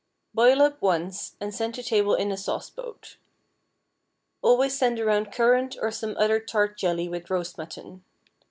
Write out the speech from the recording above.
Boil up once, and send to table in a sauce boat. Always send around currant or some other tart jelly with roast mutton.